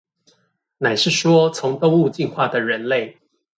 乃是說從動物進化的人類